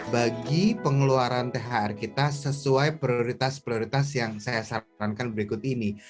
bagi pengeluaran thr kita sesuai prioritas prioritas yang saya sarankan berikut ini